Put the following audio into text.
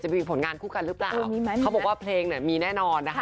มีผลงานคู่กันหรือเปล่าเขาบอกว่าเพลงเนี่ยมีแน่นอนนะคะ